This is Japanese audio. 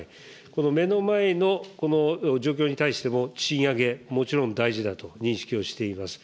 この目の前の状況に対しても、賃上げ、もちろん大事だと認識しています。